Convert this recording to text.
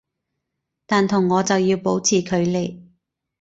但同我就要保持距離